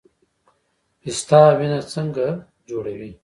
پسته وینه څنګه جوړوي؟